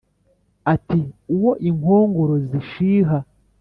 Ati: "Uwo inkongoro zishiha